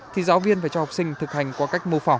thì giáo viên phải cho học sinh thực hành qua cách mô phỏng